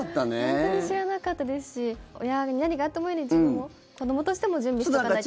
本当に知らなかったですし親に何があってもいいように自分も、子どもとしても準備しておかなきゃ。